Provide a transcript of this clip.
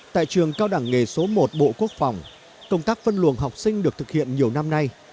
tại trường cao đẳng nghề số một bộ quốc phòng công tác phân luồng học sinh được thực hiện nhiều năm nay